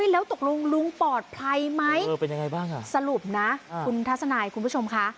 แล้วตกลงลุงปลอดภัยไหมเป็นยังไงบ้างสรุปนะคุณทัศนายคุณผู้ชมค่ะ